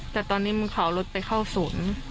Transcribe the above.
แต่ตอนนี้มันเขาเป็นรถไปเข้าศุลธ์